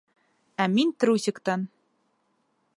Ә мин трусиктан!